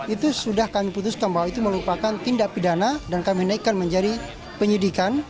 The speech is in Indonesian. itu sudah kami putuskan bahwa itu merupakan tindak pidana dan kami naikkan menjadi penyidikan